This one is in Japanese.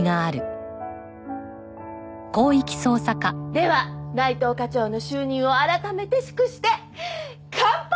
では内藤課長の就任を改めて祝して乾杯！